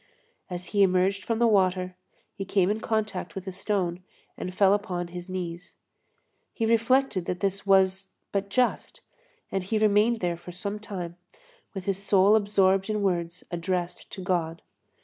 As he emerged from the water, he came in contact with a stone and fell upon his knees. He reflected that this was but just, and he remained there for some time, with his soul absorbed in words addressed to God.